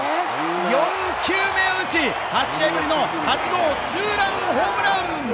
４球目を打ち、８試合ぶりの８号ツーランホームラン！